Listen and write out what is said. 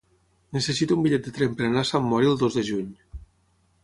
Necessito un bitllet de tren per anar a Sant Mori el dos de juny.